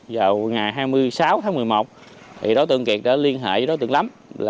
vào ngày hai mươi sáu tháng một mươi một đối tượng kiệt đã liên hệ với đối tượng lắm